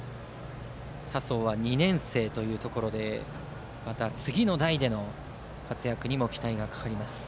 佐宗は２年生ということでまた次の代での活躍にも期待がかかります。